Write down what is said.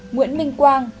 nguyễn minh quang